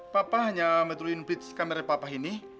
papa hanya meduluin blitz kamera papa ini